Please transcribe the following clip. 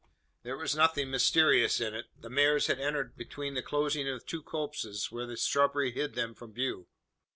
There was nothing mysterious in it. The mares had entered between the closing of two copses, where the shrubbery hid them from view.